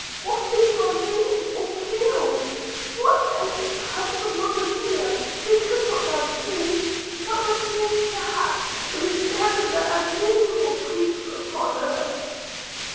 What if you are maimed, or killed? What then becomes of Monimia, who could not die too, but must live perhaps the most desolate and miserable creature upon earth?'